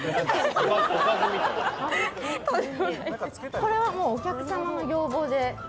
これはもうお客様の要望で。